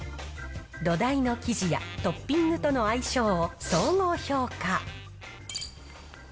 土台の生地やトッピングとの相性を総合評価。